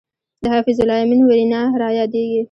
د حفیظ الله امین وینا را یادېږي.